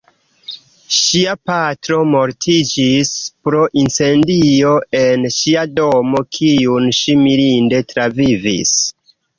Ŝia patro mortiĝis pro incendio en ŝia domo, kiun ŝi mirinde travivis.